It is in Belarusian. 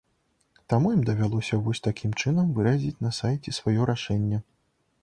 Таму ім давялося вось такім чынам выразіць на сайце сваё рашэнне.